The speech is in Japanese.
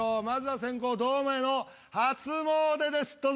まずは先攻堂前の初詣です。